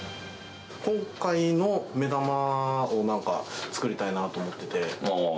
今回の目玉をなんか作りたいなと思ってて。